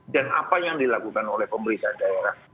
dan apa yang dilakukan oleh pemerintah daerah